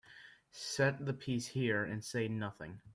Set the piece here and say nothing.